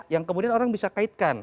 yang kemudian orang bisa kaitkan